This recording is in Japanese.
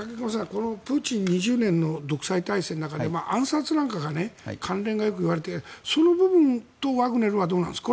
このプーチン２０年の独裁体制の中で暗殺なんかの関連がよく言われてその部分とワグネルはどうなんですか。